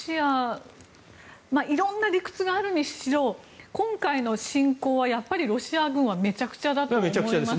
色んな理屈があるにしろ今回の侵攻はやっぱりロシア軍はめちゃくちゃだと思います。